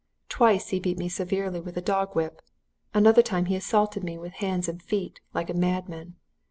Twice he beat me severely with a dog whip; another time he assaulted me with hands and feet, like a madman.